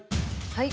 はい。